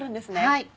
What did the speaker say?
はい。